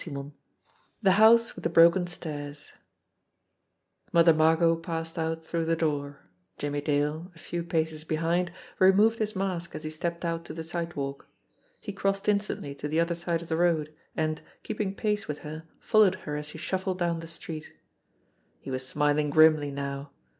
IX THE HOUSE WITH THE BROKEN STAIRS MOTHER MARGOT passed out through the door. Jimmie Dale, a few paces behind, removed his mask as he stepped out to the sidewalk. He crossed instantly to the other side of the road, and, keeping pace with her, followed her as she shuffled down the street, He was smiling grimly now.